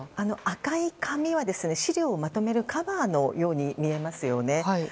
赤い紙は資料をまとめるカバーのように見えますよね。